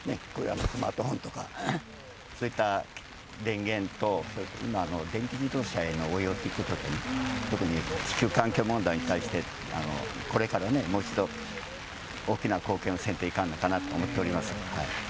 そういった電源と電気自動車への応用ということに、特に地球環境問題に対して、これからもう一度大きな貢献をせんといかんのかなと思っておりま